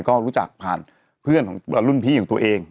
ก็รู้จักผ่านเพื่อนของรุ่นพี่ของตัวเอง